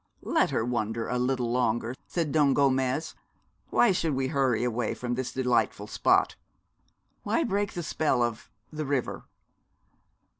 'Let her wonder a little longer,' said Don Gomez. 'Why should we hurry away from this delightful spot? Why break the spell of the river?